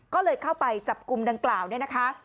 ก็เลยเข้าไปจับกลุ่มดังกล่าวเนี่ยนะคะ